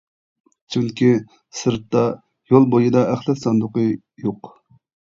چۈنكى سىرتتا، يول بويىدا، ئەخلەت ساندۇقى يوق.